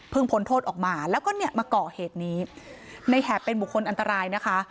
พ้นโทษออกมาแล้วก็เนี่ยมาก่อเหตุนี้ในแหบเป็นบุคคลอันตรายนะคะ